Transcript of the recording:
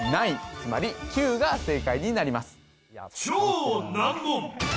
つまり９が正解になります